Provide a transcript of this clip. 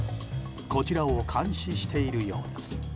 こちらを監視しているようです。